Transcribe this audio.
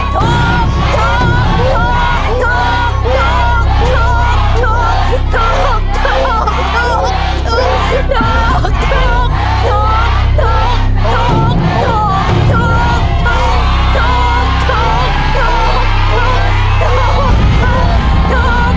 ถากถากถากถากถากถาก